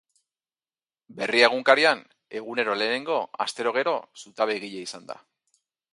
Berria egunkarian, egunero lehenengo, astero gero, zutabegile izan da.